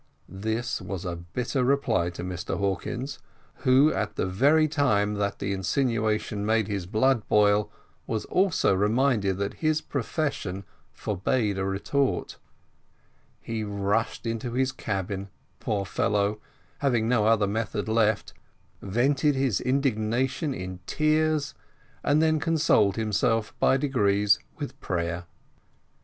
This was a bitter reply to Mr Hawkins, who at the very time that the insinuation made his blood boil, was also reminded that his profession forbade a retort: he rushed into his cabin, poor fellow, having no other method left, vented his indignation in tears, and then consoled himself by degrees with prayer.